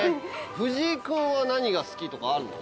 藤井君は何が好きとかあるの？